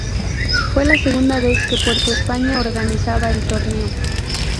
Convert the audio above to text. Fue la segunda vez que Puerto España organizaba el torneo.